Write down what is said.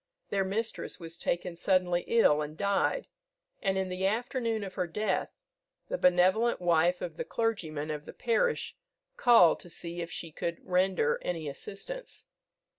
Their mistress was taken suddenly ill and died, and in the afternoon of her death the benevolent wife of the clergyman of the parish called to see if she could render any assistance.